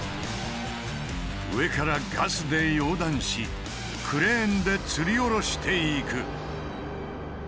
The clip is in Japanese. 上からガスで溶断しクレーンでつりおろしていく。